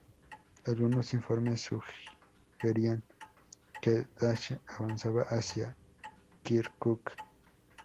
Algunos informes sugerían que Daesh avanzaba hacia Kirkuk.